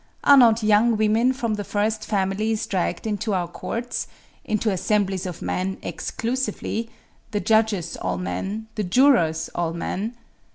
Are not young women from the first families dragged into our courts, into assemblies of men exclusively, the judges all men, the jurors all men?